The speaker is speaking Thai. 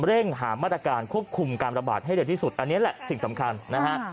เร่งหามาตรการควบคุมการระบาดให้เร็วที่สุดอันนี้แหละสิ่งสำคัญนะฮะ